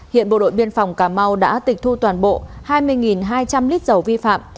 hiện bộ đội biên phòng cà mau đã tịch thu toàn bộ hai mươi hai trăm linh lít dầu vi phạm